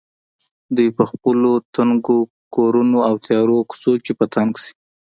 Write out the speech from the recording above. دوی په خپلو تنګو کورونو او تیارو کوڅو کې په تنګ شي.